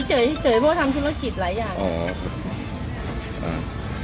เฉยเฉยเพราะว่าทำชีวิตหลายอย่าง